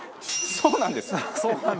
そうなんです。